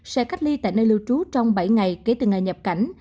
sẽ cách ly tại nơi lưu trú trong bảy ngày kể từ ngày nhập cảnh